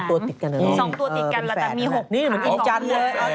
๒ตัวติดกันแล้วแต่มี๖ขา๒หาง